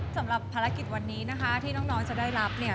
สำหรับภารกิจวันนี้นะคะที่น้องจะได้รับเนี่ย